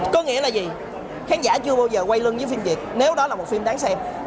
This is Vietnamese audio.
có nghĩa là gì khán giả chưa bao giờ quay lưng với phim việt nếu đó là một phim đáng xem